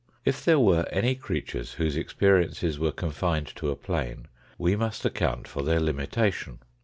If there were any creatures whose experiences were confined to a plane, we must account for their limitation.